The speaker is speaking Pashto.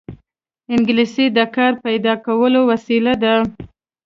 انګلیسي د کار پیدا کولو وسیله ده